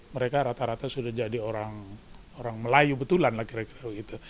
mereka rata rata sudah jadi orang melayu betulan lah kira kira begitu